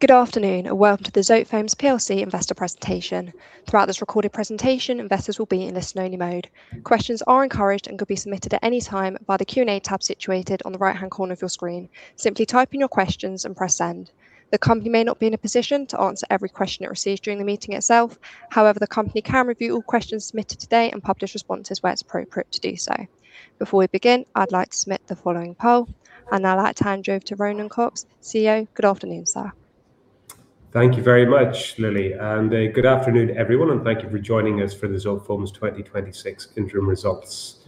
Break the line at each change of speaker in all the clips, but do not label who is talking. Good afternoon, and welcome to the Zotefoams Plc investor presentation. Throughout this recorded presentation, investors will be in listen only mode. Questions are encouraged and can be submitted at any time by the Q&A tab situated on the right-hand corner of your screen. Simply type in your questions and press send. The company may not be in a position to answer every question it receives during the meeting itself. However, the company can review all questions submitted today and publish responses where it's appropriate to do so. Before we begin, I'd like to submit the following poll. I'll now hand time over to Ronan Cox, CEO. Good afternoon, sir.
Thank you very much, Lily. Good afternoon, everyone, and thank you for joining us for the Zotefoams 2026 interim results.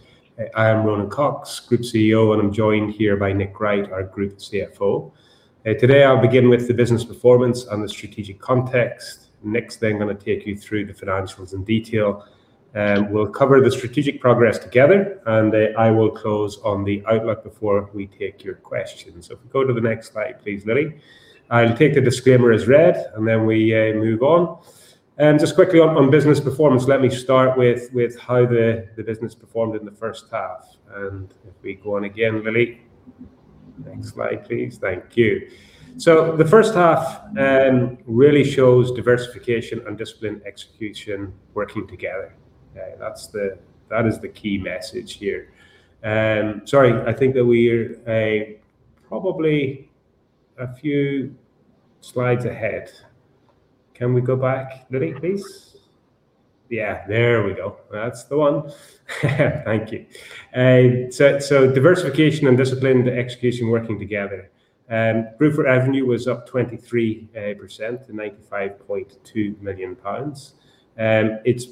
I am Ronan Cox, Group CEO, and I'm joined here by Nick Wright, our Group CFO. Today I'll begin with the business performance and the strategic context. Nick's then going to take you through the financials in detail. We'll cover the strategic progress together. I will close on the outlook before we take your questions. If we go to the next slide, please, Lily. I'll take the disclaimer as read. Then we move on. Just quickly on business performance, let me start with how the business performed in the first half. If we go on again, Lily. Next slide, please. Thank you. The first half really shows diversification and disciplined execution working together. That is the key message here. Sorry, I think that we are probably a few slides ahead. Can we go back, Lily, please? Yeah, there we go. That's the one. Thank you. Diversification and disciplined execution working together. Group revenue was up 23% to 95.2 million pounds. It's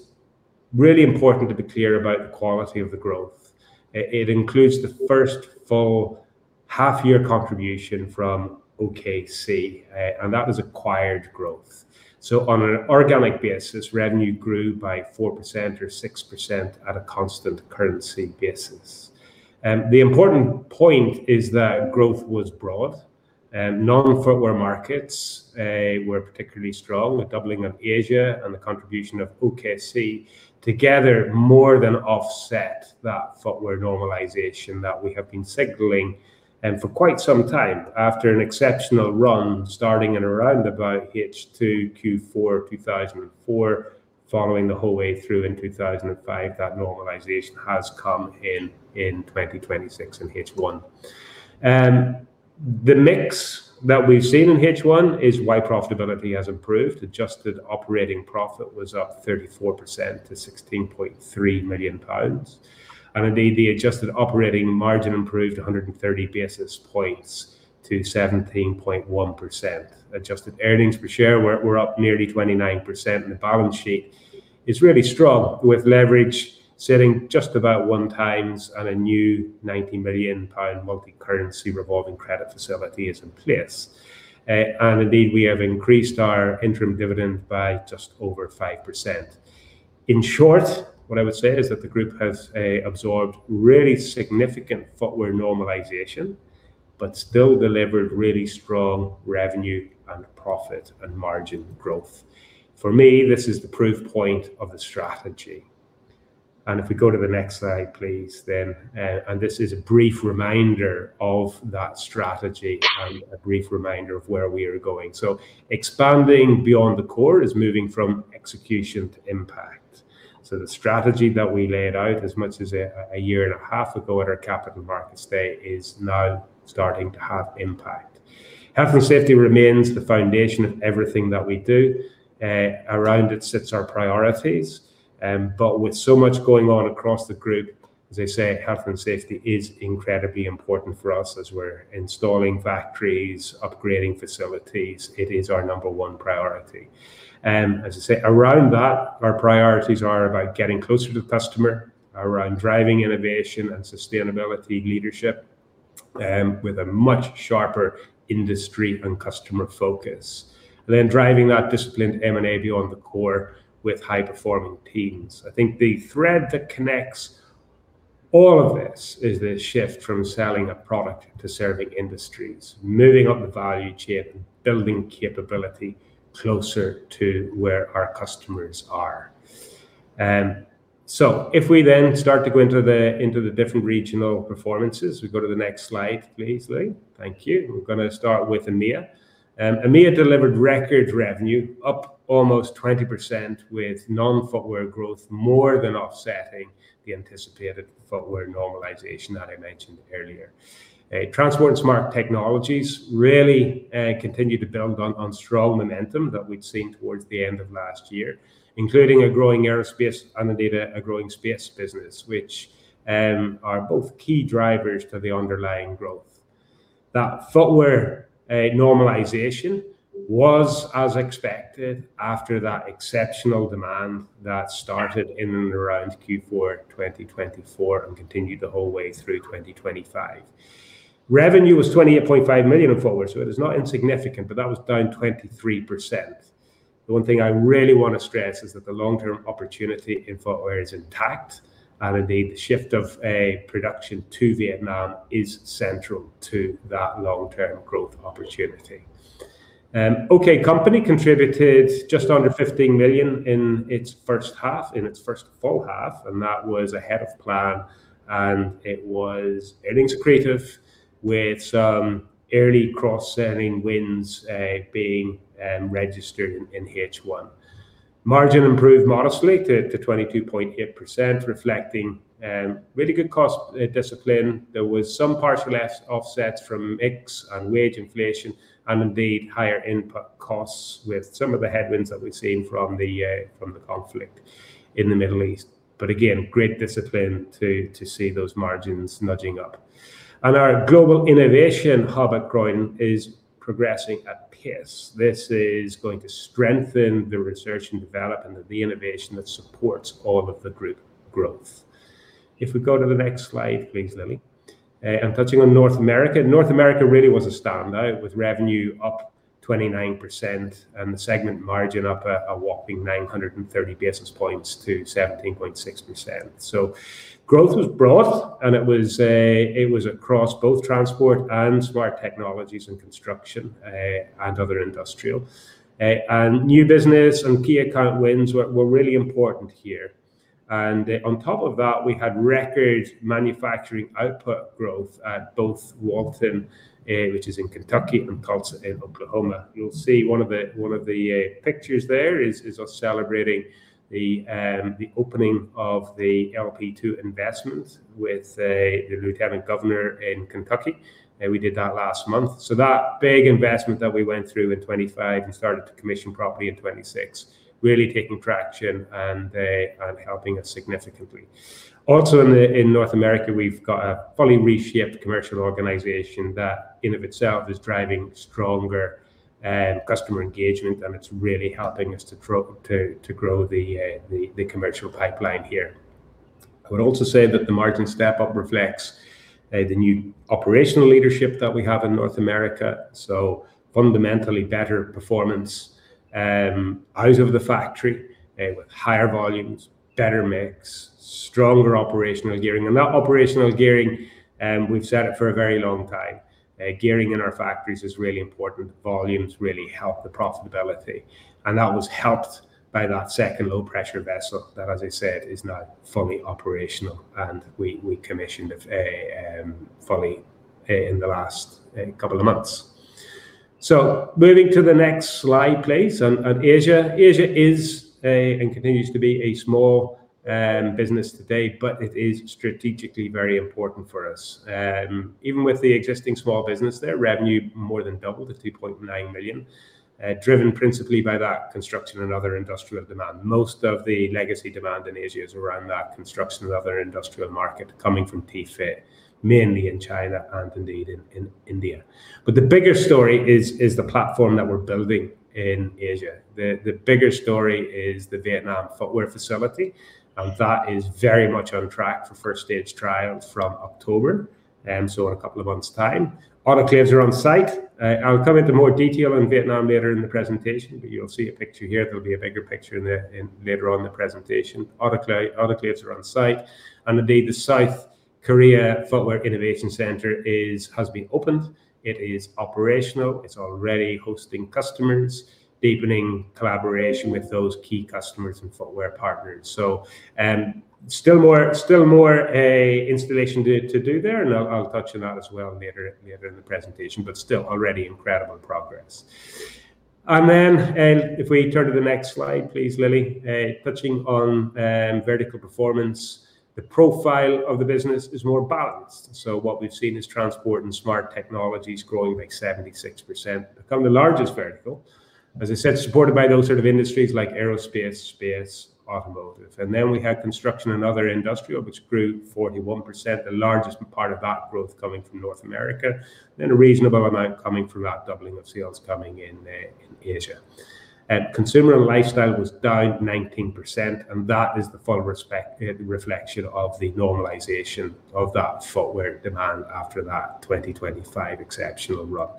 really important to be clear about the quality of the growth. It includes the first full half year contribution from OKC. That was acquired growth. On an organic basis, revenue grew by 4% or 6% at a constant currency basis. The important point is that growth was broad. Non-footwear markets were particularly strong, with doubling of Asia and the contribution of OKC together more than offset that footwear normalization that we have been signaling for quite some time. After an exceptional run starting in around about H2Q4, 2024, following the whole way through in 2025, that normalization has come in in 2026 in H1. The mix that we've seen in H1 is why profitability has improved. Adjusted operating profit was up 34% to 16.3 million pounds. Indeed, the adjusted operating margin improved 130 basis points to 17.1%. Adjusted earnings per share were up nearly 29%. The balance sheet is really strong with leverage sitting just about 1x on a new 90 million pound multi-currency revolving credit facility is in place. Indeed, we have increased our interim dividend by just over 5%. In short, what I would say is that the group has absorbed really significant footwear normalization, still delivered really strong revenue and profit and margin growth. For me, this is the proof point of the strategy. If we go to the next slide, please, Lily. This is a brief reminder of that strategy and a brief reminder of where we are going. Expanding beyond the core is moving from execution to impact. The strategy that we laid out as much as a year and a half ago at our Capital Markets Day is now starting to have impact. Health and safety remains the foundation of everything that we do. Around it sits our priorities. With so much going on across the group, as I say, health and safety is incredibly important for us as we're installing factories, upgrading facilities. It is our number one priority. As I say, around that, our priorities are about getting closer to the customer, around driving innovation and sustainability leadership, with a much sharper industry and customer focus. Driving that disciplined M&A beyond the core with high-performing teams. I think the thread that connects all of this is the shift from selling a product to serving industries. Moving up the value chain and building capability closer to where our customers are. If we then start to go into the different regional performances, we go to the next slide, please, Lily. Thank you. We're going to start with EMEA. EMEA delivered record revenue up almost 20% with non-footwear growth more than offsetting the anticipated footwear normalization that I mentioned earlier. Transport & Smart Technologies really continue to build on strong momentum that we'd seen towards the end of last year, including a growing aerospace and indeed a growing space business, which are both key drivers to the underlying growth. That footwear normalization was as expected after that exceptional demand that started in and around Q4 2024 and continued the whole way through 2025. Revenue was 28.5 million in footwear, it is not insignificant, but that was down 23%. The one thing I really want to stress is that the long-term opportunity in footwear is intact, and indeed, the shift of production to Vietnam is central to that long-term growth opportunity. OK Company contributed just under 15 million in its first half, in its first full half, and that was ahead of plan, and it was earnings accretive. With some early cross-selling wins being registered in H1. Margin improved modestly to 22.8%, reflecting really good cost discipline. There was some partial offsets from mix and wage inflation, and indeed higher input costs with some of the headwinds that we've seen from the conflict in the Middle East. Again, great discipline to see those margins nudging up. Our Global Innovation Hub at Croydon is progressing at pace. This is going to strengthen the research and development of the innovation that supports all of the group growth. If we go to the next slide, please, Lily. Touching on North America. North America really was a standout with revenue up 29% and the segment margin up a whopping 930 basis points to 17.6%. Growth was broad, and it was across both Transport & Smart Technologies and Construction & Other Industrial. New business and key account wins were really important here. On top of that, we had record manufacturing output growth at both Walton, which is in Kentucky and Tulsa in Oklahoma. You'll see one of the pictures there is us celebrating the opening of the LP2 investment with the lieutenant governor in Kentucky, and we did that last month. That big investment that we went through in 2025, we started to commission properly in 2026, really taking traction and helping us significantly. Also in North America, we've got a fully reshaped commercial organization that in of itself is driving stronger customer engagement, and it's really helping us to grow the commercial pipeline here. I would also say that the margin step up reflects the new operational leadership that we have in North America, so fundamentally better performance out of the factory with higher volumes, better mix, stronger operational gearing. That operational gearing, we've said it for a very long time. Gearing in our factories is really important. Volumes really help the profitability, and that was helped by that second low-pressure vessel that, as I said, is now fully operational, and we commissioned it fully in the last couple of months. Moving to the next slide, please. On Asia. Asia is and continues to be a small business today, but it is strategically very important for us. Even with the existing small business there, revenue more than doubled to 3.9 million, driven principally by that Construction & Other Industrial demand. Most of the legacy demand in Asia is around that Construction & Other Industrial market coming from T-FIT, mainly in China and indeed in India. The bigger story is the platform that we're building in Asia. The bigger story is the Vietnam footwear facility, and that is very much on track for first stage trial from October, so in a couple of months' time. Autoclaves are on site. I'll come into more detail on Vietnam later in the presentation, but you'll see a picture here. There'll be a bigger picture later on in the presentation. Autoclaves are on site, and indeed, the South Korea Footwear Innovation Center has been opened. It is operational. It's already hosting customers, deepening collaboration with those key customers and footwear partners. Still more installation to do there, and I'll touch on that as well later in the presentation, but still already incredible progress. If we turn to the next slide, please, Lily. Touching on vertical performance, the profile of the business is more balanced. What we've seen is Transport & Smart Technologies growing by 76%, become the largest vertical. As I said, supported by those sort of industries like aerospace, space, automotive. We had Construction & Other Industrial, which grew 41%, the largest part of that growth coming from North America, then a reasonable amount coming from that doubling of sales coming in Asia. Consumer & Lifestyle was down 19%, and that is the full reflection of the normalization of that footwear demand after that 2025 exceptional run.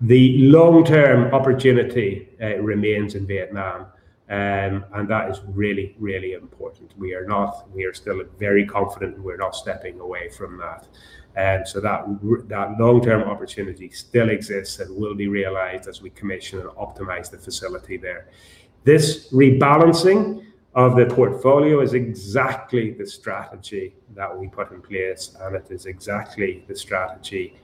The long-term opportunity remains in Vietnam, and that is really, really important. We are still very confident. We're not stepping away from that. That long-term opportunity still exists and will be realized as we commission and optimize the facility there. This rebalancing of the portfolio is exactly the strategy that we put in place, and it is exactly the strategy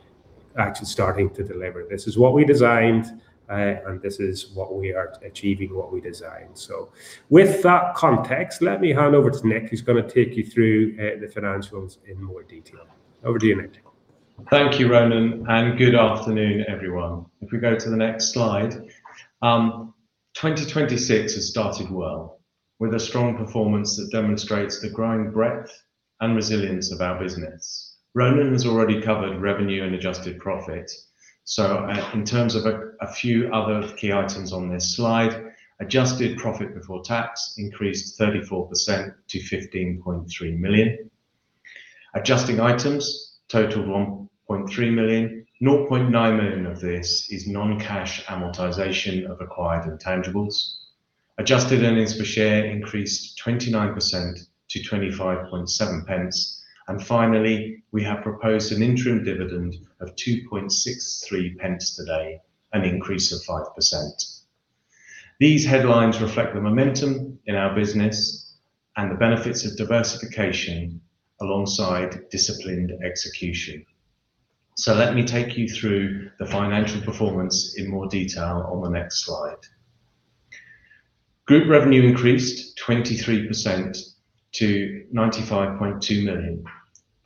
actually starting to deliver. This is what we designed, and this is what we are achieving what we designed. With that context, let me hand over to Nick, who's going to take you through the financials in more detail. Over to you, Nick.
Thank you, Ronan, and good afternoon, everyone. We go to the next slide. 2026 has started well, with a strong performance that demonstrates the growing breadth and resilience of our business. Ronan has already covered revenue and adjusted profit. In terms of a few other key items on this slide, adjusted profit before tax increased 34% to 15.3 million. Adjusting items total 1.3 million, 0.9 million of this is non-cash amortization of acquired intangibles. Adjusted earnings per share increased 29% to 0.257. Finally, we have proposed an interim dividend of 0.0263 today, an increase of 5%. These headlines reflect the momentum in our business and the benefits of diversification alongside disciplined execution. Let me take you through the financial performance in more detail on the next slide. Group revenue increased 23% to 95.2 million.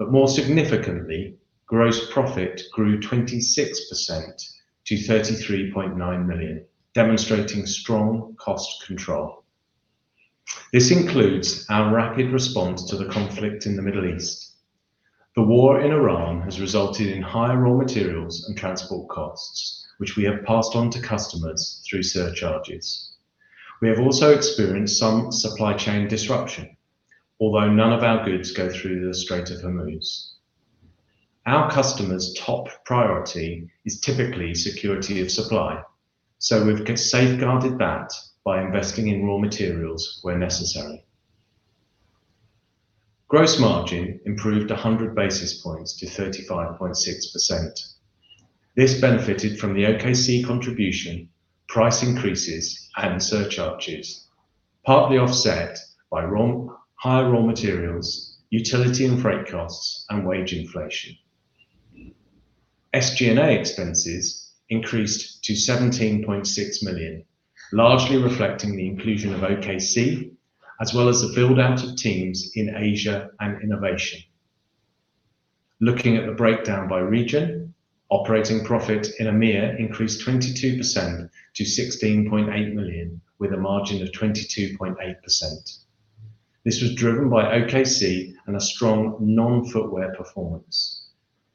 More significantly, gross profit grew 26% to 33.9 million, demonstrating strong cost control. This includes our rapid response to the conflict in the Middle East. The war in Iran has resulted in higher raw materials and transport costs, which we have passed on to customers through surcharges. We have also experienced some supply chain disruption, although none of our goods go through the Strait of Hormuz. Our customers' top priority is typically security of supply. We've safeguarded that by investing in raw materials where necessary. Gross margin improved 100 basis points to 35.6%. This benefited from the OKC contribution, price increases, and surcharges, partly offset by higher raw materials, utility and freight costs, and wage inflation. SG&A expenses increased to 17.6 million, largely reflecting the inclusion of OKC, as well as the build-out of teams in Asia and innovation. Looking at the breakdown by region, operating profit in EMEA increased 22% to 16.8 million, with a margin of 22.8%. This was driven by OKC and a strong non-footwear performance,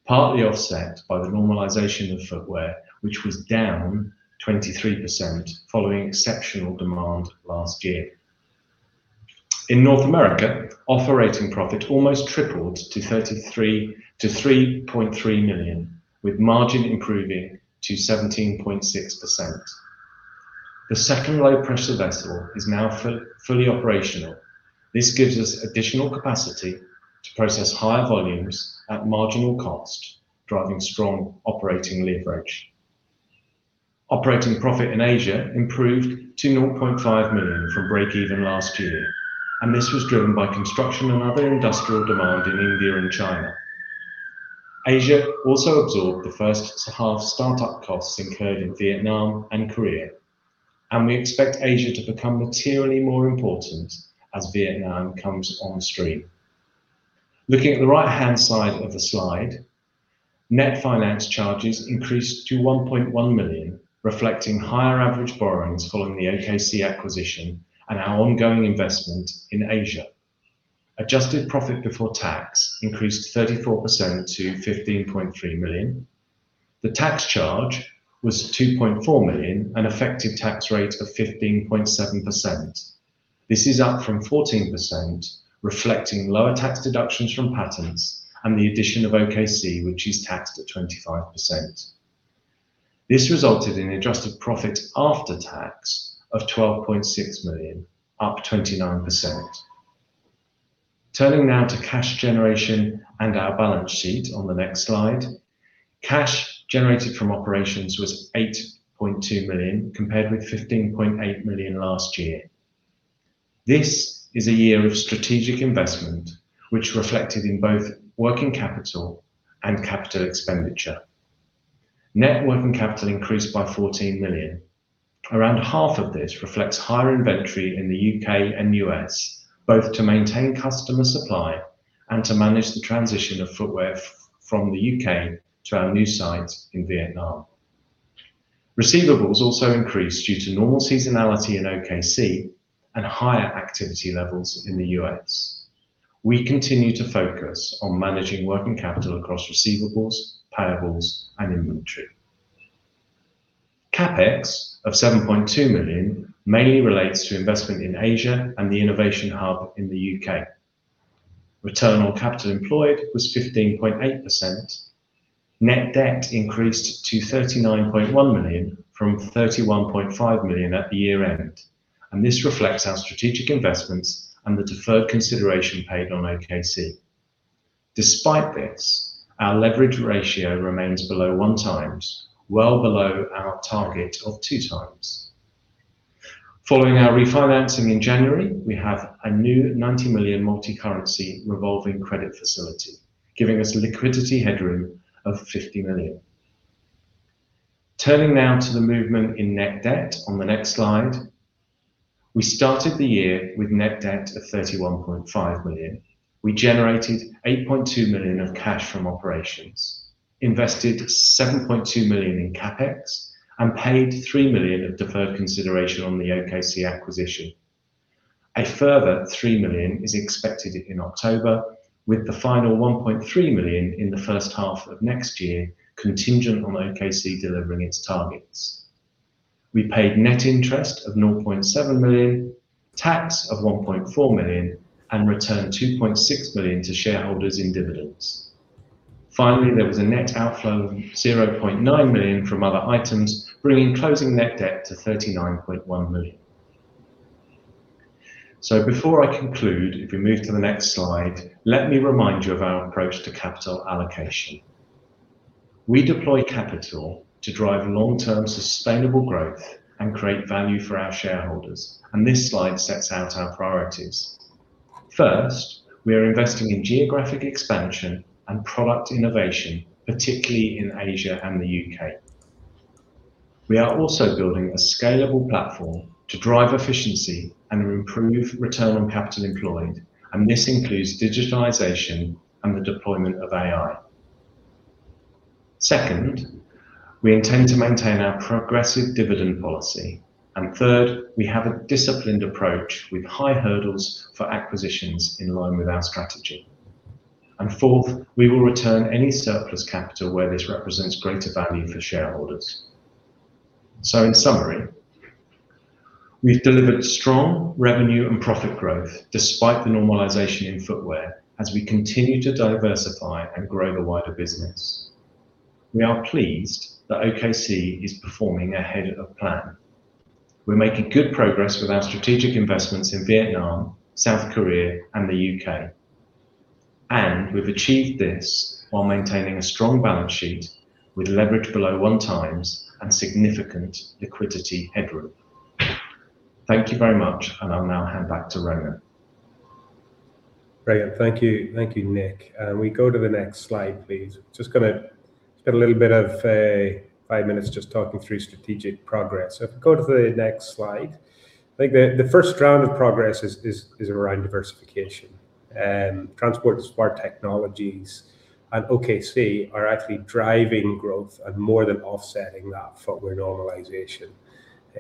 partly offset by the normalization of footwear, which was down 23% following exceptional demand last year. In North America, operating profit almost tripled to 3.3 million, with margin improving to 17.6%. The second low-pressure vessel is now fully operational. This gives us additional capacity to process higher volumes at marginal cost, driving strong operating leverage. Operating profit in Asia improved to 0.5 million from break even last year. This was driven by Construction & Other Industrial demand in India and China. Asia also absorbed the first half start-up costs incurred in Vietnam and Korea. We expect Asia to become materially more important as Vietnam comes on stream. Looking at the right-hand side of the slide, net finance charges increased to 1.1 million, reflecting higher average borrowings following the OKC acquisition and our ongoing investment in Asia. Adjusted profit before tax increased 34% to 15.3 million. The tax charge was 2.4 million, an effective tax rate of 15.7%. This is up from 14%, reflecting lower tax deductions from patents and the addition of OKC, which is taxed at 25%. This resulted in adjusted profit after tax of 12.6 million, up 29%. Turning now to cash generation and our balance sheet on the next slide. Cash generated from operations was 8.2 million, compared with 15.8 million last year. This is a year of strategic investment, which reflected in both working capital and capital expenditure. Net working capital increased by 14 million. Around half of this reflects higher inventory in the U.K. and U.S., both to maintain customer supply and to manage the transition of footwear from the U.K. to our new site in Vietnam. Receivables also increased due to normal seasonality in OKC and higher activity levels in the U.S. We continue to focus on managing working capital across receivables, payables, and inventory. CapEx of 7.2 million mainly relates to investment in Asia and the Innovation Hub in the U.K. Return on capital employed was 15.8%. Net debt increased to 39.1 million from 31.5 million at the year-end. This reflects our strategic investments and the deferred consideration paid on OKC. Despite this, our leverage ratio remains below 1x, well below our target of 2x. Following our refinancing in January, we have a new 90 million multicurrency revolving credit facility, giving us liquidity headroom of 50 million. Turning now to the movement in net debt on the next slide. We started the year with net debt of 31.5 million. We generated 8.2 million of cash from operations, invested 7.2 million in CapEx, and paid 3 million of deferred consideration on the OKC acquisition. A further 3 million is expected in October, with the final 1.3 million in the first half of next year contingent on OKC delivering its targets. We paid net interest of 0.7 million, tax of 1.4 million, and returned 2.6 million to shareholders in dividends. Finally, there was a net outflow of 0.9 million from other items, bringing closing net debt to 39.1 million. Before I conclude, if we move to the next slide, let me remind you of our approach to capital allocation. We deploy capital to drive long-term sustainable growth and create value for our shareholders. This slide sets out our priorities. First, we are investing in geographic expansion and product innovation, particularly in Asia and the U.K. We are also building a scalable platform to drive efficiency and improve return on capital employed. This includes digitalization and the deployment of AI. Second, we intend to maintain our progressive dividend policy. Third, we have a disciplined approach with high hurdles for acquisitions in line with our strategy. Fourth, we will return any surplus capital where this represents greater value for shareholders. In summary, we've delivered strong revenue and profit growth despite the normalization in footwear as we continue to diversify and grow the wider business. We are pleased that OKC is performing ahead of plan. We're making good progress with our strategic investments in Vietnam, South Korea, and the U.K. We've achieved this while maintaining a strong balance sheet with leverage below 1x and significant liquidity headroom. Thank you very much. I'll now hand back to Ronan.
Brilliant. Thank you, Nick. We go to the next slide, please. Just going to get a little bit of five minutes just talking through strategic progress. If we go to the next slide. I think the first strand of progress is around diversification. Transport & Smart Technologies and OKC are actually driving growth and more than offsetting that footwear normalization.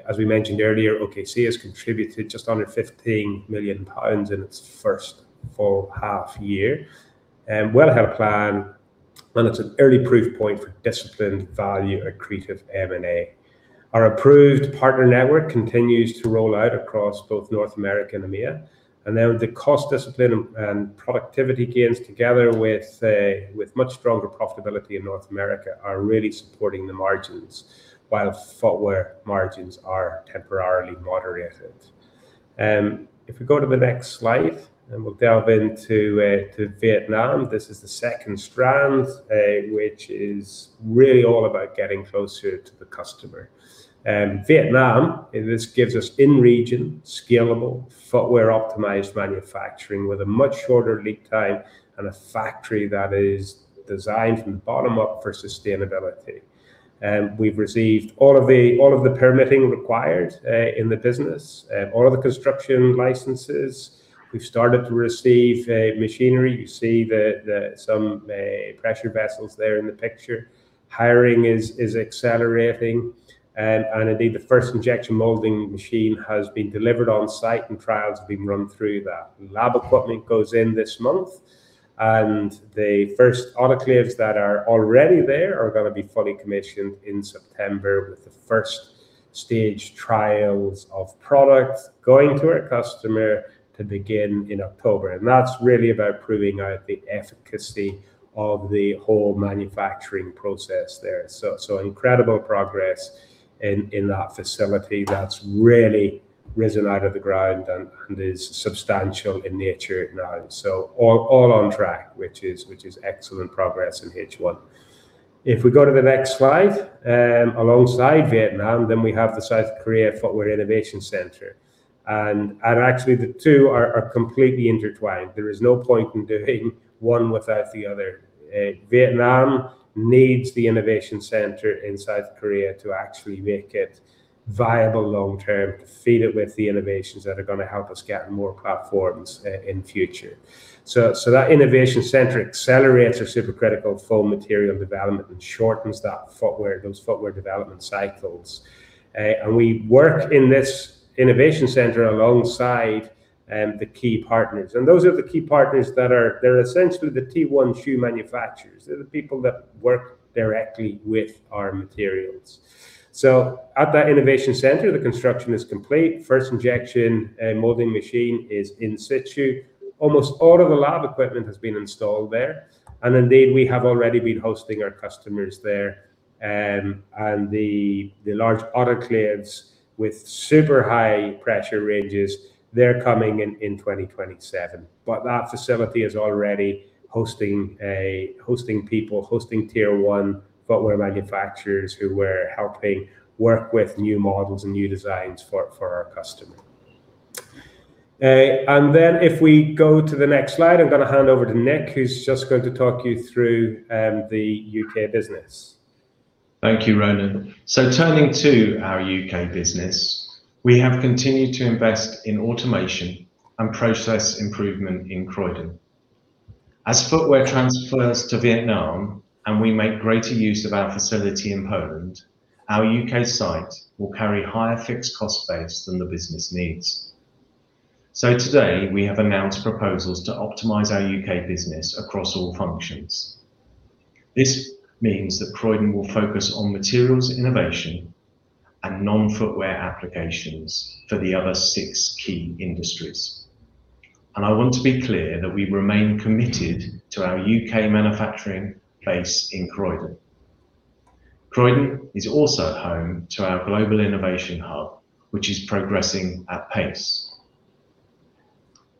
As we mentioned earlier, OKC has contributed just under 15 million pounds in its first full half year. Well ahead of plan and it's an early proof point for disciplined value accretive M&A. Our approved partner network continues to roll out across both North America and EMEA. The cost discipline and productivity gains together with much stronger profitability in North America are really supporting the margins, while footwear margins are temporarily moderated. If we go to the next slide, and we'll delve into Vietnam. This is the second strand, which is really all about getting closer to the customer. Vietnam, this gives us in-region, scalable, footwear optimized manufacturing with a much shorter lead time and a factory that is designed from the bottom up for sustainability. We've received all of the permitting required in the business, all of the construction licenses. We've started to receive machinery. You see some pressure vessels there in the picture. Hiring is accelerating. The first injection molding machine has been delivered on-site and trials have been run through that. Lab equipment goes in this month, and the first autoclaves that are already there are going to be fully commissioned in September with the first stage trials of products going to our customer to begin in October. That's really about proving out the efficacy of the whole manufacturing process there. Incredible progress in that facility that's really risen out of the ground and is substantial in nature now. All on track, which is excellent progress in H1. If we go to the next slide. Alongside Vietnam, we have the South Korea Footwear Innovation Centre. The two are completely intertwined. There is no point in doing one without the other. Vietnam needs the Innovation Centre in South Korea to actually make it viable long term, feed it with the innovations that are going to help us get more platforms in future. That Innovation Centre accelerates our supercritical foam material development and shortens those footwear development cycles. We work in this Innovation Centre alongside the key partners. Those are the key partners that are essentially the tier 1 shoe manufacturers. They're the people that work directly with our materials. At that Innovation Centre, the construction is complete. First injection molding machine is in situ. Almost all of the lab equipment has been installed there. We have already been hosting our customers there. The large autoclaves with super high pressure ranges, they're coming in 2027. That facility is already hosting people, hosting tier 1 footwear manufacturers who we're helping work with new models and new designs for our customer. If we go to the next slide, I'm going to hand over to Nick, who's just going to talk you through the U.K. business.
Thank you, Ronan. Turning to our U.K. business. We have continued to invest in automation and process improvement in Croydon. As footwear transfers to Vietnam and we make greater use of our facility in Poland, our U.K. site will carry higher fixed cost base than the business needs. Today, we have announced proposals to optimize our U.K. business across all functions. This means that Croydon will focus on materials innovation and non-footwear applications for the other six key industries. I want to be clear that we remain committed to our U.K. manufacturing base in Croydon. Croydon is also home to our Global Innovation Hub, which is progressing at pace.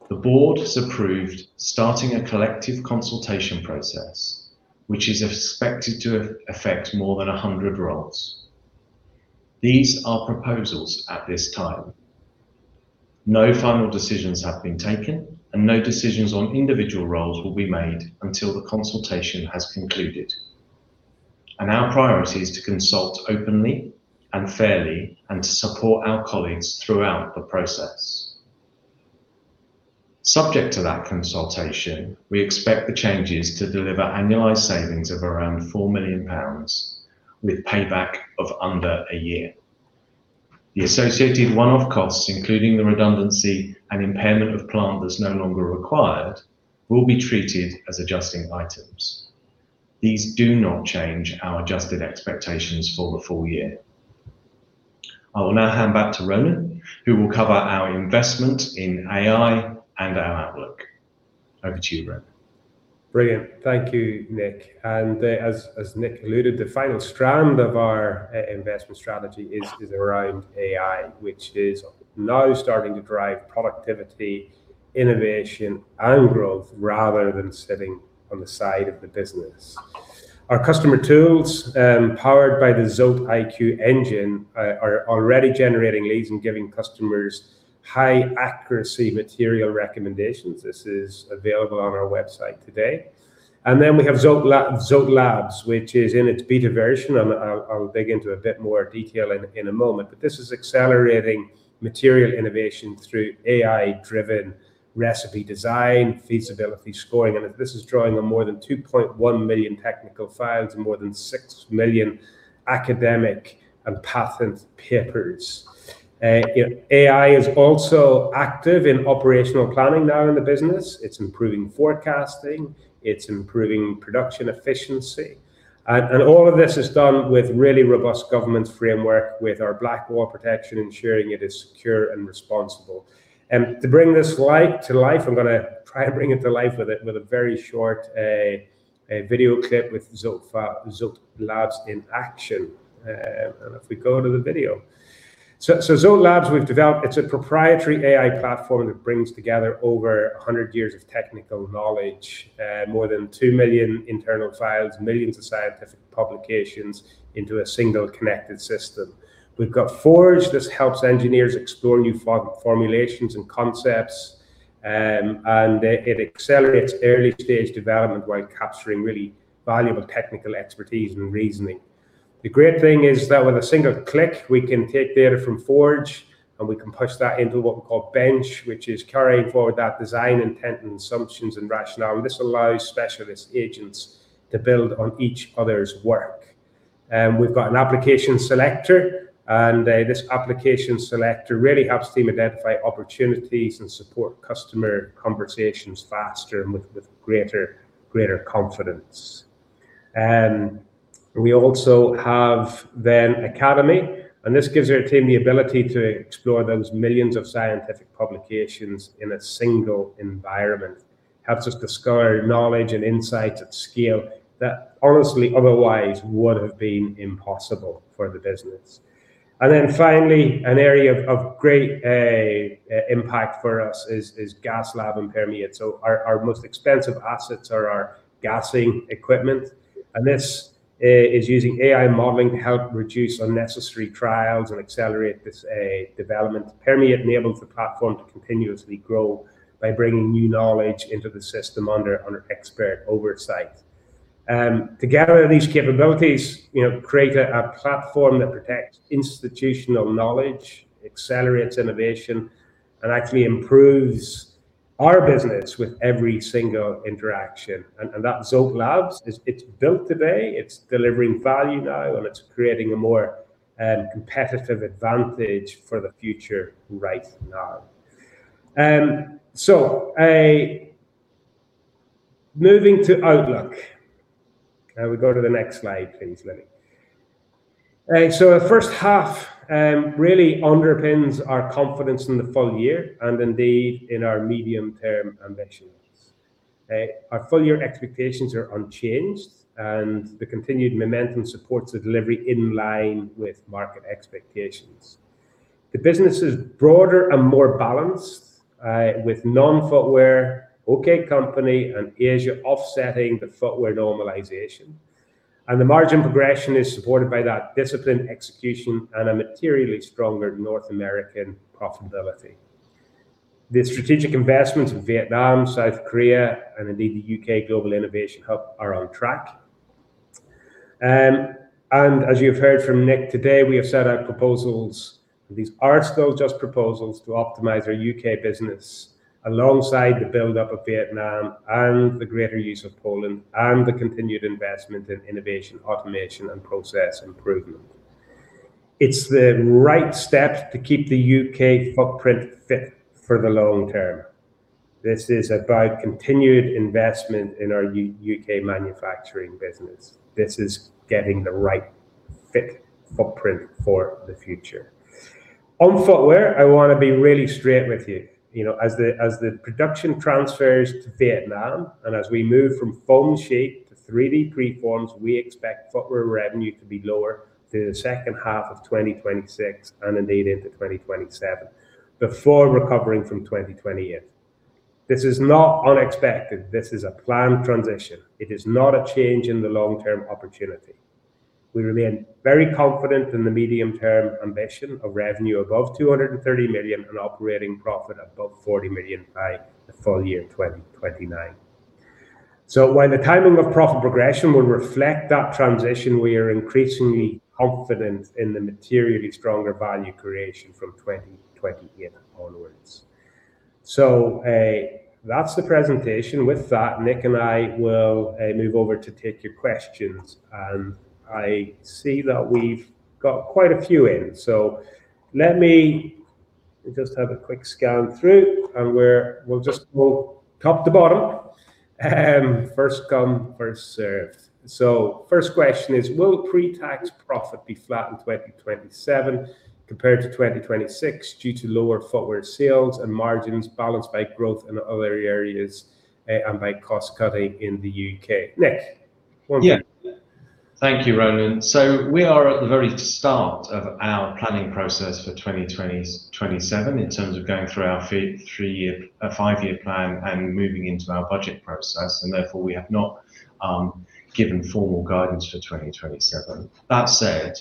The board has approved starting a collective consultation process, which is expected to affect more than 100 roles. These are proposals at this time. No final decisions have been taken, and no decisions on individual roles will be made until the consultation has concluded. Our priority is to consult openly and fairly, and to support our colleagues throughout the process. Subject to that consultation, we expect the changes to deliver annualized savings of around 4 million pounds, with payback of under a year. The associated one-off costs, including the redundancy and impairment of plant that is no longer required, will be treated as adjusting items. These do not change our adjusted expectations for the full year. I will now hand back to Ronan, who will cover our investment in AI and our outlook. Over to you, Ronan.
Brilliant. Thank you, Nick. As Nick alluded, the final strand of our investment strategy is around AI, which is now starting to drive productivity, innovation, and growth rather than sitting on the side of the business. Our customer tools, powered by the ZoteIQ engine, are already generating leads and giving customers high-accuracy material recommendations. This is available on our website today. We have ZoteLabs, which is in its beta version. I will dig into a bit more detail in a moment, but this is accelerating material innovation through AI-driven recipe design, feasibility scoring, and this is drawing on more than 2.1 million technical files and more than 6 million academic and patent papers. AI is also active in operational planning now in the business. It is improving forecasting. It is improving production efficiency. All of this is done with really robust governance framework with our black wall protection, ensuring it is secure and responsible. To bring this to life, I am going to try to bring it to life with a very short video clip with ZoteLabs in action. If we go to the video. ZoteLabs we have developed, it is a proprietary AI platform that brings together over 100 years of technical knowledge, more than 2 million internal files, millions of scientific publications into a single connected system. We have got Forge. This helps engineers explore new formulations and concepts, and it accelerates early-stage development while capturing really valuable technical expertise and reasoning. The great thing is that with a single click, we can take data from Forge, and we can push that into what we call Bench, which is carrying forward that design intent and assumptions and rationale, and this allows specialist agents to build on each other's work. We've got an application selector. This application selector really helps the team identify opportunities and support customer conversations faster and with greater confidence. We also have then Academy. This gives our team the ability to explore those millions of scientific publications in a single environment. It helps us discover knowledge and insights at scale that honestly otherwise would have been impossible for the business. Finally, an area of great impact for us is Gas Lab and Permeate. Our most expensive assets are our gassing equipment, and this is using AI modeling to help reduce unnecessary trials and accelerate this development. Permeate enables the platform to continuously grow by bringing new knowledge into the system under expert oversight. Together, these capabilities create a platform that protects institutional knowledge, accelerates innovation, and actually improves our business with every single interaction. That's ZoteLabs. It's built today, it's delivering value now, and it's creating a more competitive advantage for the future right now. Moving to outlook. Can we go to the next slide, please, Lily? The first half really underpins our confidence in the full year and indeed in our medium-term ambition. Our full-year expectations are unchanged, and the continued momentum supports the delivery in line with market expectations. The business is broader and more balanced, with non-footwear, OK Company and Asia offsetting the footwear normalization. The margin progression is supported by that disciplined execution and a materially stronger North American profitability. The strategic investments in Vietnam, South Korea and indeed the U.K. Global Innovation Hub are on track. As you've heard from Nick today, we have set out proposals, and these are still just proposals to optimize our U.K. business alongside the buildup of Vietnam and the greater use of Poland and the continued investment in innovation, automation and process improvement. It's the right step to keep the U.K. footprint fit for the long term. This is about continued investment in our U.K. manufacturing business. This is getting the right fit footprint for the future. On footwear, I want to be really straight with you. As the production transfers to Vietnam and as we move from foam shape to 3D preforms, we expect footwear revenue to be lower through the second half of 2026, and indeed into 2027, before recovering from 2028. This is not unexpected. This is a planned transition. It is not a change in the long-term opportunity. We remain very confident in the medium-term ambition of revenue above 230 million and operating profit above 40 million by the full year 2029. While the timing of profit progression will reflect that transition, we are increasingly confident in the materially stronger value creation from 2028 onwards. That's the presentation. With that, Nick and I will move over to take your questions. I see that we've got quite a few in. Let me just have a quick scan through and we'll go top to bottom, first come, first served. First question is, "Will pre-tax profit be flat in 2027 compared to 2026 due to lower footwear sales and margins balanced by growth in other areas and by cost cutting in the U.K.?" Nick, want to?
Yeah. Thank you, Ronan. We are at the very start of our planning process for 2027 in terms of going through our five-year plan and moving into our budget process, and therefore we have not given formal guidance for 2027. That said,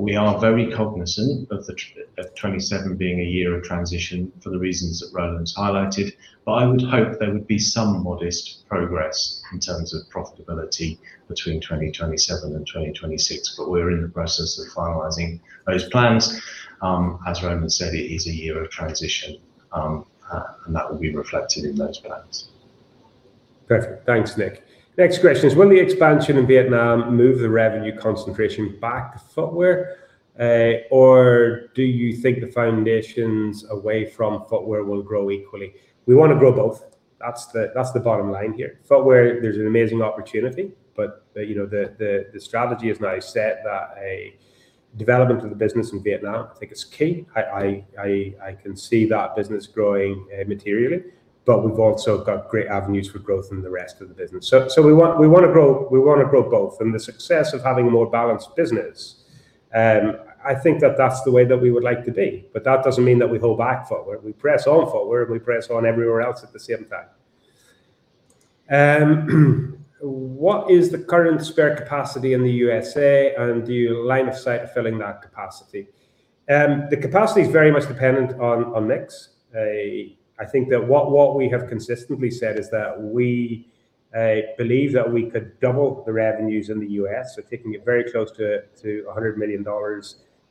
we are very cognizant of 2027 being a year of transition for the reasons that Ronan's highlighted. I would hope there would be some modest progress in terms of profitability between 2027 and 2026. We're in the process of finalizing those plans. As Ronan said, it is a year of transition, and that will be reflected in those plans.
Perfect. Thanks, Nick. Next question is, "Will the expansion in Vietnam move the revenue concentration back to footwear? Do you think the foundations away from footwear will grow equally?" We want to grow both. That's the bottom line here. Footwear, there's an amazing opportunity, but the strategy is now set that a development of the business in Vietnam, I think it's key. I can see that business growing materially. We've also got great avenues for growth in the rest of the business. We want to grow both, and the success of having a more balanced business, I think that that's the way that we would like to be. That doesn't mean that we hold back footwear. We press on footwear and we press on everywhere else at the same time. "What is the current spare capacity in the U.S.? Do you have line of sight filling that capacity?" The capacity is very much dependent on mix. I think that what we have consistently said is that we believe that we could double the revenues in the U.S., so taking it very close to $100 million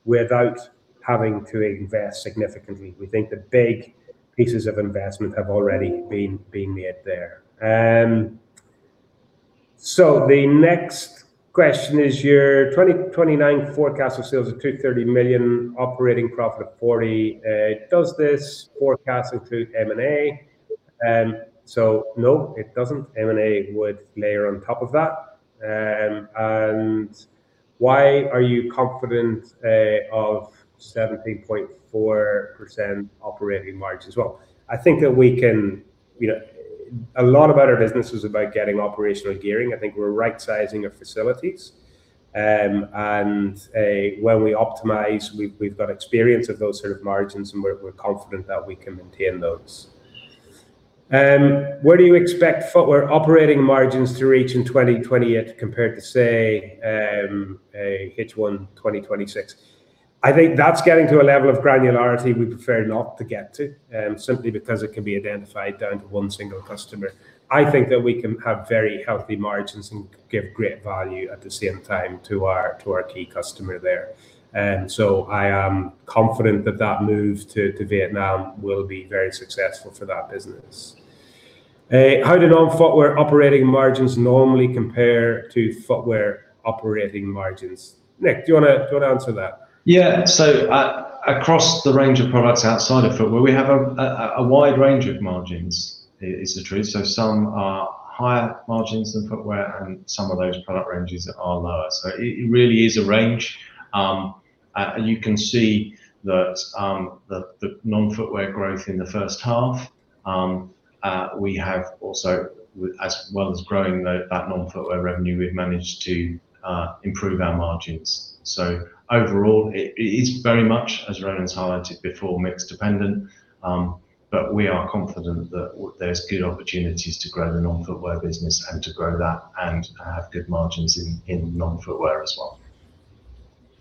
without having to invest significantly. We think the big pieces of investment have already been made there. The next question is, "Your 2029 forecast of sales of 230 million, operating profit of 40 million, does this forecast include M&A?" No, it doesn't. M&A would layer on top of that. "Why are you confident of 17.4% operating margin?" Well, a lot about our business is about getting operational gearing. I think we're right sizing our facilities. When we optimize, we've got experience of those sort of margins, and we're confident that we can maintain those. Where do you expect footwear operating margins to reach in 2028 compared to, say, H1 2026?" I think that is getting to a level of granularity we prefer not to get to, simply because it can be identified down to one single customer. I think that we can have very healthy margins and give great value at the same time to our key customer there. I am confident that that move to Vietnam will be very successful for that business. "How did non-footwear operating margins normally compare to footwear operating margins?" Nick, do you want to answer that?
Yeah. Across the range of products outside of footwear, we have a wide range of margins, is the truth. Some are higher margins than footwear and some of those product ranges are lower. It really is a range. You can see the non-footwear growth in the first half. As well as growing that non-footwear revenue, we have managed to improve our margins. Overall, it is very much, as Ronan's highlighted before, mix dependent. We are confident that there is good opportunities to grow the non-footwear business and to grow that and have good margins in non-footwear as well.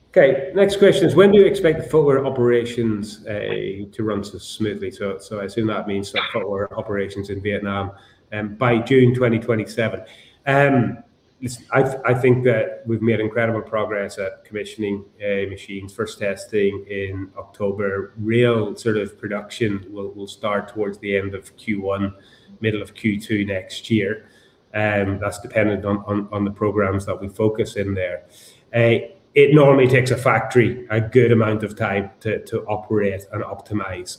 Okay. Next question is, "When do you expect the footwear operations to run smoothly?" I assume that means the footwear operations in Vietnam. "By June 2027." Listen, I think that we have made incredible progress at commissioning machines. First testing in October. Real sort of production will start towards the end of Q1, middle of Q2 next year. That is dependent on the programs that we focus in there. It normally takes a factory a good amount of time to operate and optimize.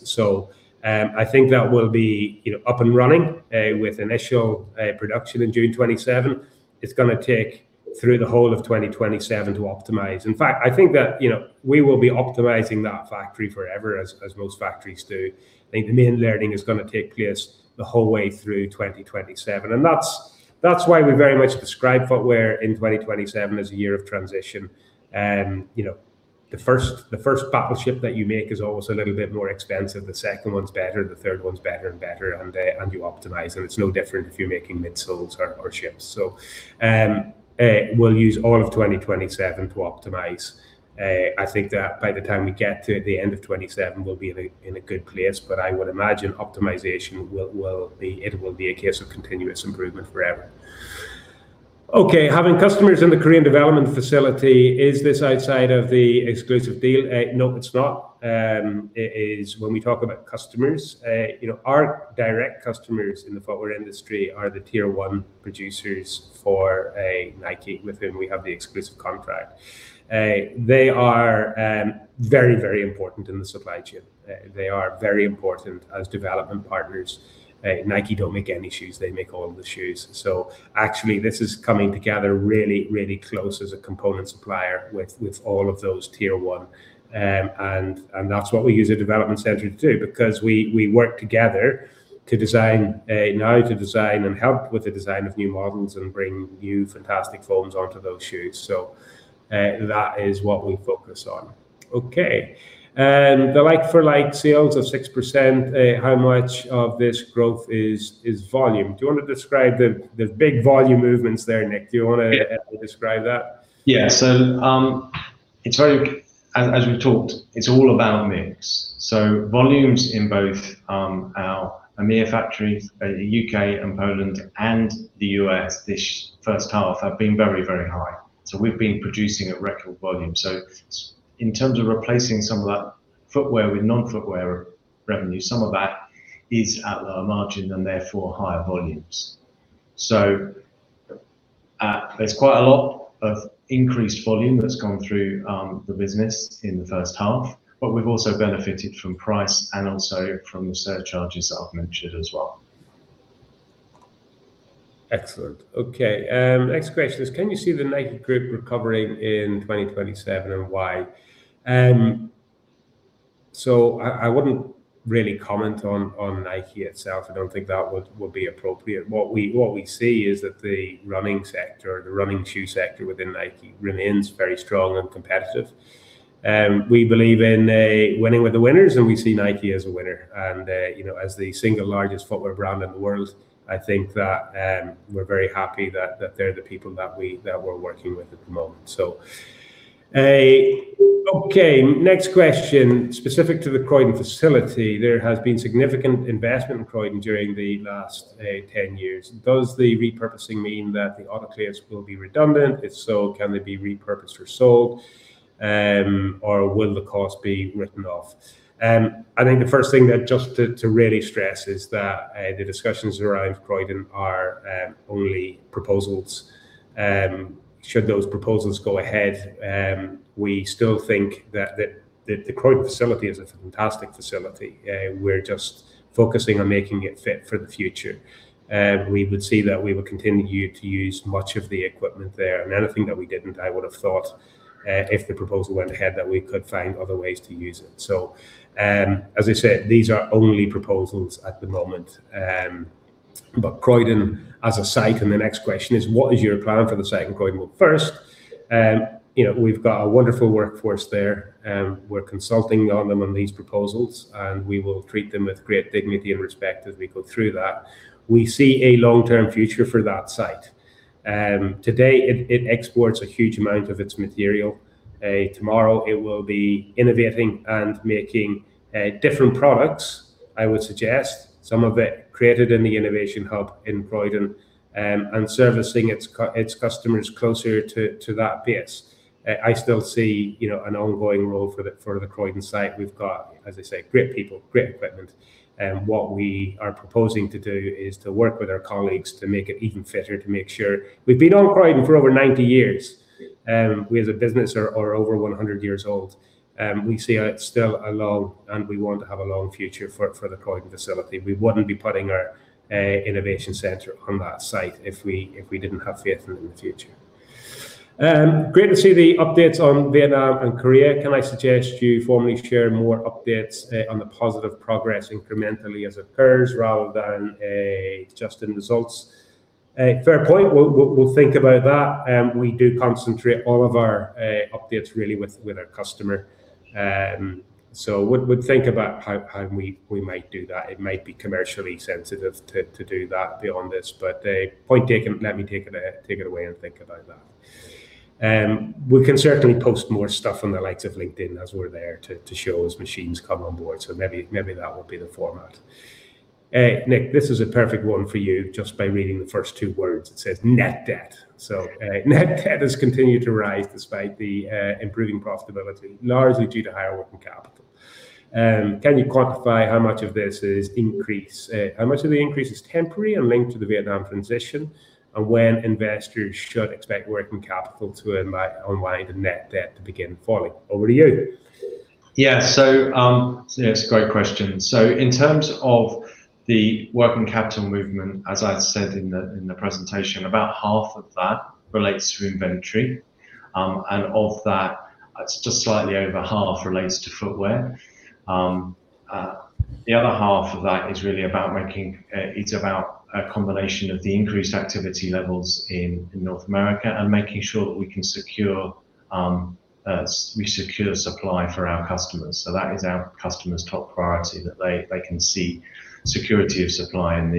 I think that will be up and running, with initial production in June 2027. It is going to take through the whole of 2027 to optimize. In fact, I think that we will be optimizing that factory forever, as most factories do. I think the main learning is going to take place the whole way through 2027. That is why we very much describe footwear in 2027 as a year of transition. The first battleship that you make is always a little bit more expensive. The second one is better, the third one is better and better, and you optimize. It is no different if you are making midsoles or ships. We will use all of 2027 to optimize. I think that by the time we get to the end of 2027, we will be in a good place, but I would imagine optimization it will be a case of continuous improvement forever. Okay. Having customers in the Korean development facility, is this outside of the exclusive deal? No, it is not. It is when we talk about customers. Our direct customers in the footwear industry are the tier 1 producers for Nike, with whom we have the exclusive contract. They are very important in the supply chain. They are very important as development partners. Nike don't make any shoes. They make all the shoes. Actually, this is coming together really close as a component supplier with all of those tier 1. That's what we use a development center to do because we work together now to design and help with the design of new models and bring new fantastic foams onto those shoes. That is what we focus on. Okay. The like-for-like sales of 6%, how much of this growth is volume? Do you want to describe the big volume movements there, Nick? Do you want to describe that?
Yeah. As we've talked, it's all about mix. Volumes in both our EMEA factories, U.K. and Poland, and the U.S. this first half have been very high. We've been producing at record volume. In terms of replacing some of that footwear with non-footwear revenue, some of that is at lower margin and therefore higher volumes. There's quite a lot of increased volume that's gone through the business in the first half. We've also benefited from price and also from the surcharges that I've mentioned as well.
Excellent. Next question is, can you see the Nike, Inc. recovering in 2027 and why? I wouldn't really comment on Nike itself. I don't think that would be appropriate. What we see is that the running sector or the running shoe sector within Nike remains very strong and competitive. We believe in winning with the winners, and we see Nike as a winner. As the single largest footwear brand in the world, I think that we're very happy that they're the people that we're working with at the moment. Okay, next question. Specific to the Croydon facility, there has been significant investment in Croydon during the last 10 years. Does the repurposing mean that the autoclaves will be redundant? If so, can they be repurposed or sold, or will the cost be written off? I think the first thing that just to really stress is that the discussions around Croydon are only proposals. Should those proposals go ahead, we still think that the Croydon facility is a fantastic facility. We're just focusing on making it fit for the future. We would see that we would continue to use much of the equipment there, and anything that we didn't, I would've thought if the proposal went ahead, that we could find other ways to use it. As I said, these are only proposals at the moment. Croydon as a site, and the next question is, what is your plan for the site in Croydon? Well, first, we've got a wonderful workforce there. We're consulting on them on these proposals, and we will treat them with great dignity and respect as we go through that. We see a long-term future for that site. Today it exports a huge amount of its material. Tomorrow it will be innovating and making different products, I would suggest. Some of it created in the Global Innovation Hub in Croydon and servicing its customers closer to that base. I still see an ongoing role for the Croydon site. We've got, as I say, great people, great equipment. What we are proposing to do is to work with our colleagues to make it even fitter to make sure. We've been on Croydon for over 90 years. We as a business are over 100 years old. We see it still a long, and we want to have a long future for the Croydon facility. We wouldn't be putting our innovation center on that site if we didn't have faith in it in the future. Great to see the updates on Vietnam and Korea. Can I suggest you formally share more updates on the positive progress incrementally as it occurs rather than just in results? Fair point. We'll think about that. We do concentrate all of our updates really with our customer. Would think about how we might do that. It might be commercially sensitive to do that beyond this, but point taken. Let me take it away and think about that. We can certainly post more stuff on the likes of LinkedIn as we're there to show as machines come on board. Maybe that will be the format. Nick, this is a perfect one for you just by reading the first two words, it says net debt. Net debt has continued to rise despite the improving profitability, largely due to higher working capital. Can you quantify how much of the increase is temporary and linked to the Vietnam transition, and when investors should expect working capital to unwind and net debt to begin falling? Over to you.
It's a great question. In terms of the working capital movement, as I said in the presentation, about half of that relates to inventory. Of that, just slightly over half relates to footwear. The other half of that is really about a combination of the increased activity levels in North America and making sure that we secure supply for our customers. That is our customers' top priority, that they can see security of supply in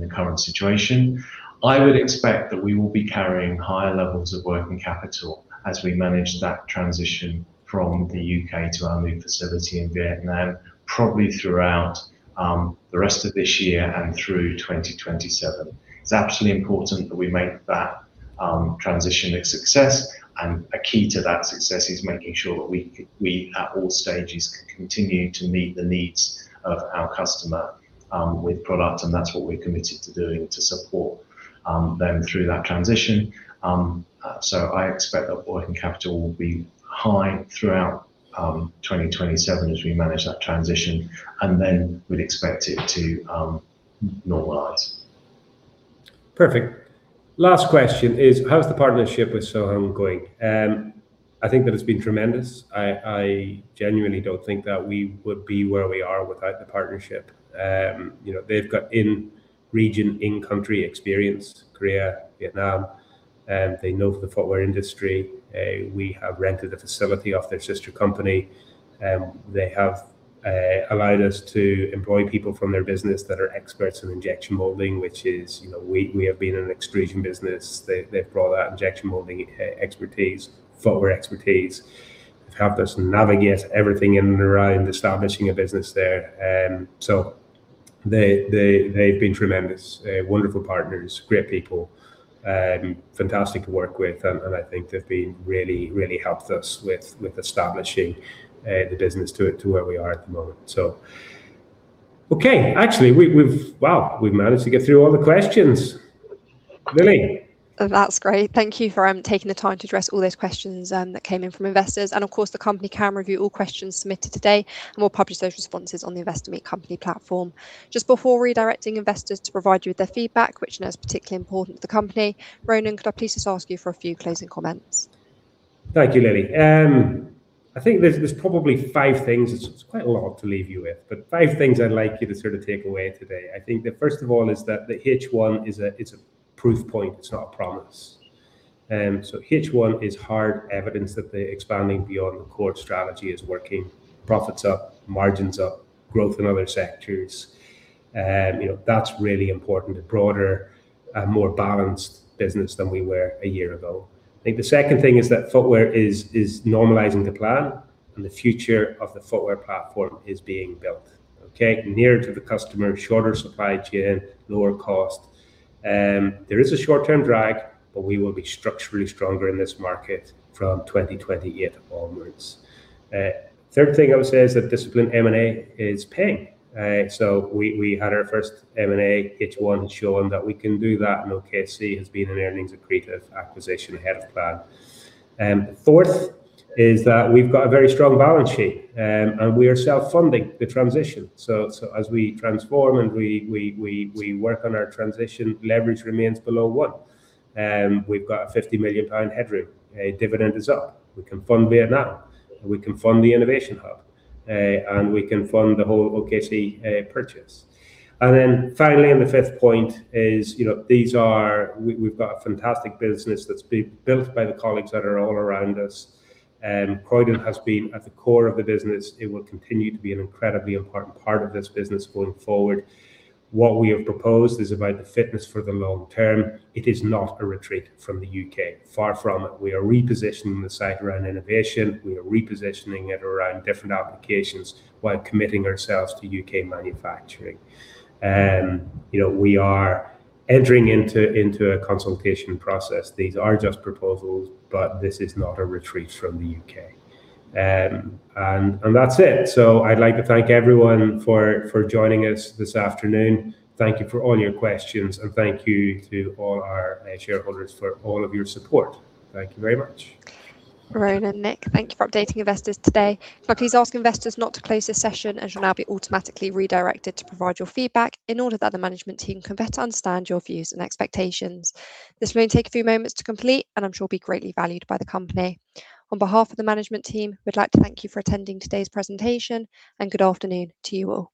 the current situation. I would expect that we will be carrying higher levels of working capital as we manage that transition from the U.K. to our new facility in Vietnam, probably throughout the rest of this year and through 2027. It's absolutely important that we make that transition a success, a key to that success is making sure that we, at all stages, can continue to meet the needs of our customer with product. That's what we're committed to doing to support them through that transition. I expect that working capital will be high throughout 2027 as we manage that transition, then we'd expect it to normalize.
Perfect. Last question is, how is the partnership with Seoheung going? I think that it's been tremendous. I genuinely don't think that we would be where we are without the partnership. They've got in-region, in-country experience, Korea, Vietnam, they know the footwear industry. We have rented a facility off their sister company. They have allowed us to employ people from their business that are experts in injection molding, which is, we have been an extrusion business. They've brought that injection molding expertise, footwear expertise, have helped us navigate everything in and around establishing a business there. They've been tremendous. Wonderful partners, great people. Fantastic to work with, I think they've really helped us with establishing the business to where we are at the moment. Okay. Actually, wow, we've managed to get through all the questions. Lily.
That's great. Thank you for taking the time to address all those questions that came in from investors. Of course, the company can review all questions submitted today, and we'll publish those responses on the Investor Meet Company platform. Just before redirecting investors to provide you with their feedback, which I know is particularly important to the company, Ronan, could I please just ask you for a few closing comments?
Thank you, Lily. I think there's probably five things, it's quite a lot to leave you with, but five things I'd like you to sort of take away today. I think the first of all is that the H1 is a proof point, it's not a promise. H1 is hard evidence that the expanding beyond the core strategy is working. Profits are up, margins are up, growth in other sectors. That's really important. A broader and more balanced business than we were a year ago. I think the second thing is that footwear is normalizing the plan, the future of the footwear platform is being built. Okay? Nearer to the customer, shorter supply chain, lower cost. There is a short-term drag, we will be structurally stronger in this market from 2028 onwards. Third thing I would say is that disciplined M&A is paying. We had our first M&A, H1 showing that we can do that. OKC has been an earnings accretive acquisition ahead of plan. Fourth, we've got a very strong balance sheet. We are self-funding the transition. As we transform and we work on our transition, leverage remains below one. We've got a 50 million pound headroom. Dividend is up. We can fund Vietnam, we can fund the Global Innovation Hub, we can fund the whole OKC purchase. Finally, the fifth point is we've got a fantastic business that's been built by the colleagues that are all around us. Croydon has been at the core of the business. It will continue to be an incredibly important part of this business going forward. What we have proposed is about the fitness for the long term. It is not a retreat from the U.K. Far from it. We are repositioning the site around innovation. We are repositioning it around different applications while committing ourselves to U.K. manufacturing. We are entering into a consultation process. These are just proposals. This is not a retreat from the U.K. That's it. I'd like to thank everyone for joining us this afternoon. Thank you for all your questions. Thank you to all our shareholders for all of your support. Thank you very much.
Ronan, Nick, thank you for updating investors today. Could I please ask investors not to close this session, as you'll now be automatically redirected to provide your feedback in order that the management team can better understand your views and expectations. This may only take a few moments to complete and I'm sure will be greatly valued by the company. On behalf of the management team, we'd like to thank you for attending today's presentation and good afternoon to you all.